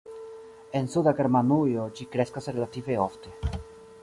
En suda Germanujo ĝi kreskas relative ofte.